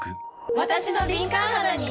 わたしの敏感肌に！